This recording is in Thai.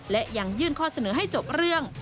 และยังยื่นข้อเสนอให้จบเรื่อง